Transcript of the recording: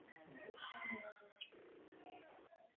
Esas zonas se llaman áreas de convergencia lingüística.